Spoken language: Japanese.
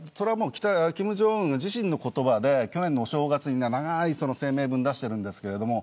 金正恩自身の言葉で去年のお正月に長い声明文を出しています。